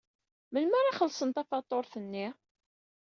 Melmi ara xellṣen tafatuṛt-nni?